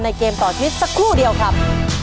เกมต่อชีวิตสักครู่เดียวครับ